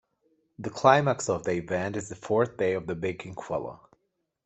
The climax of the event is the fourth day of the Big Incwala.